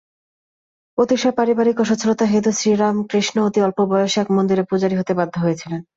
অতিশয় পারিবারিক অসচ্ছলতা হেতু শ্রীরামকৃষ্ণ অতি অল্পবয়সে এক মন্দিরে পূজারী হতে বাধ্য হয়েছিলেন।